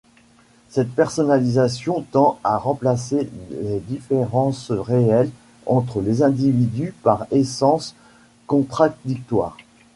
Cette personnalisation tend à remplacer les différences réelles entre les individus par essence contradictoires.